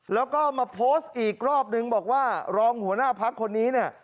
แล้วก็มาโพสต์อีกรอบนึงบอกว่ารองหัวหน้าพักคนนี้เนี่ย